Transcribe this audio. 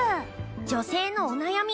女性のお悩み